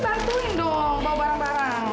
satuin dong bawa barang barang